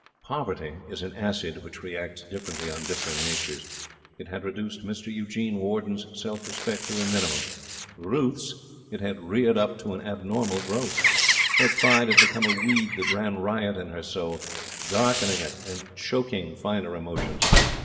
Poverty is an acid which reacts differently on differing natures. It had reduced Mr Eugene Warden's self respect to a minimum. Ruth's it had reared up to an abnormal growth. Her pride had become a weed that ran riot in her soul, darkening it and choking finer emotions.